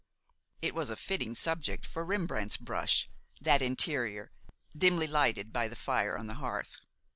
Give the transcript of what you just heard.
It was a fitting subject for Rembrandt's brush, that interior, dimly lighted by the fire on the hearth.